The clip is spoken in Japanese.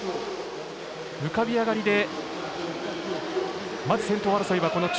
浮かび上がりでまず先頭争いは中央のレーン。